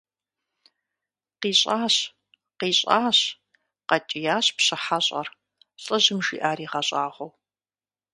КъищӀащ! КъищӀащ! – къэкӀиящ пщы хьэщӀэр, лӀыжьым жиӀар игъэщӀагъуэу.